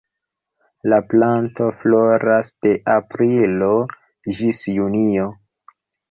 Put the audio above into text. La planto floras de aprilo ĝis junio.